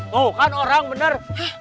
tuh kan orang bener